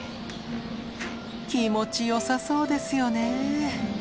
気持ちよさそうですよね。